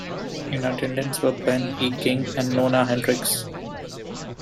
In attendance were Ben E. King and Nona Hendrix.